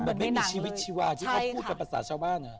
มันไม่มีชีวิตชีวาที่เขาพูดเป็นภาษาชาวบ้าน